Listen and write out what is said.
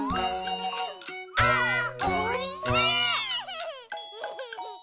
「あーおいしい！」